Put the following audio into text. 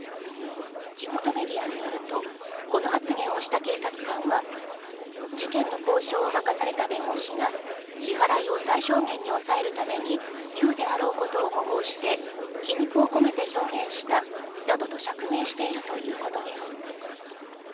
地元メディアによるとこの発言をした警察官は事件の交渉を任された弁護士が支払いを最小限に抑えるために言うであろうことを模倣して皮肉を込めて表現したなどと釈明しているということです。